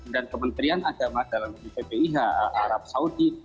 dan kementerian agama dalam ippih arab saudi